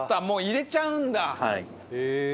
もう入れちゃうんだ。